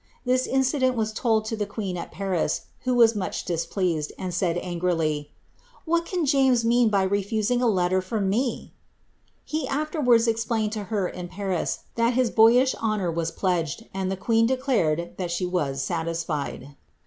This incident was told to the queen at Paris, who was much displeased, and said, angrily, ^ What can James mean by refusing a letter from me r" He afterwards explained to her in Paris, that his boyish honour was pledged, and the queen declared that she was satisfied.